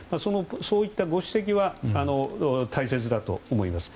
そういったご指摘は大切だと思います。